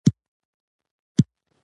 سیاسي مشارکت د بدلون وسیله ده